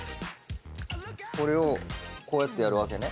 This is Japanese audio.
これをこうやってやるわけね。